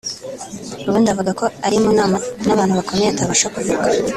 ubundi akavuga ko ari mu nama n’abantu bakomeye atabasha kuvuga